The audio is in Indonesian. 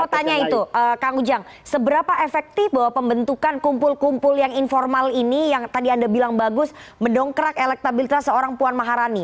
saya mau tanya itu kang ujang seberapa efektif bahwa pembentukan kumpul kumpul yang informal ini yang tadi anda bilang bagus mendongkrak elektabilitas seorang puan maharani